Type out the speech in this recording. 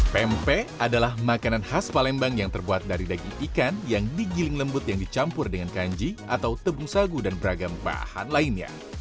pempek adalah makanan khas palembang yang terbuat dari daging ikan yang digiling lembut yang dicampur dengan kanji atau tepung sagu dan beragam bahan lainnya